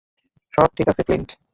সব ঠিক আছে, ফ্লিন্ট।